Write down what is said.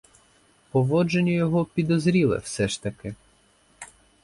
Поводження його підозріле все ж таки.